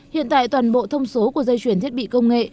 hiện tại toàn bộ thông số của dây chuyển thiết bị công nghệ